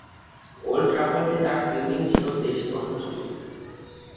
Old ট্রাফোর্ডে তার fielding ছিল বেশ প্রশংসনীয়।